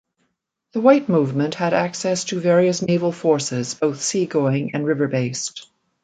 The White movement had access to various naval forces, both sea-going and river-based.